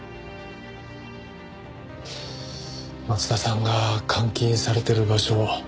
松田さんが監禁されてる場所